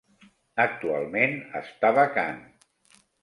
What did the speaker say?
Actualment està vacant.